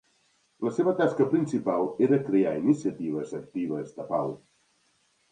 La seva tasca principal era crear iniciatives actives de pau.